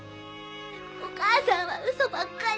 お母さんはウソばっかり。